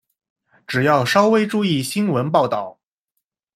只要稍微注意新闻报导